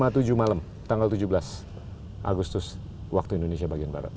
pukul sebelas lima puluh tujuh malam tanggal tujuh belas agustus waktu indonesia bagian barat